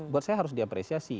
buat saya harus diapresiasi